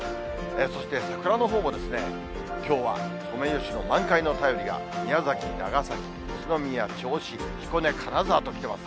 そして桜のほうも、きょうはソメイヨシノ満開の便りが、宮崎、長崎、宇都宮、銚子、彦根、金沢ときてます。